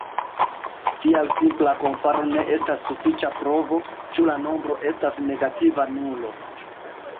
Tial simpla komparo ne estas sufiĉa provo, ĉu la nombro estas negativa nulo.